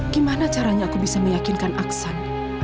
gimana caranya aku bisa meyakinkan aksan